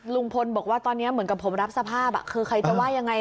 ลุงพลบอกว่าตอนนี้เหมือนกับผมรับสภาพคือใครจะว่ายังไง